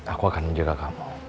aku akan menjaga kamu